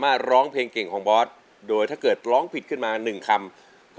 ร้องเพลงเก่งของคุณครับ